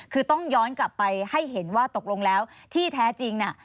คือต้องย้อนกลับไปให้เห็นว่าตกลงแล้วที่แท้จริงน่ะ